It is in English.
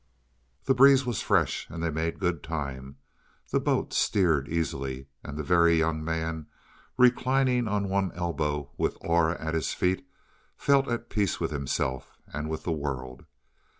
The breeze was fresh, and they made good time. The boat steered easily, and the Very Young Man, reclining on one elbow, with Aura at his feet, felt at peace with himself and with the world.